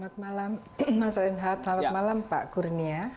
selamat malam mas renhat